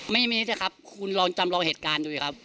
ไม่มีนะครับคุณลองจำลองเหตุการณ์ดูสิครับ